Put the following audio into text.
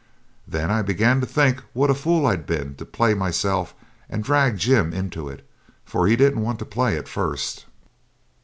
Then I began to think what a fool I'd been to play myself and drag Jim into it, for he didn't want to play at first.